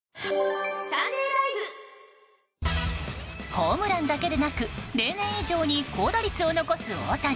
ホームランだけでなく例年以上に高打率を残す大谷。